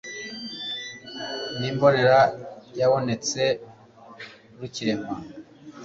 Ni imbonera yabonetse rukirema;